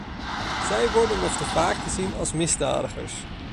Zij worden nog te vaak gezien als misdadigers.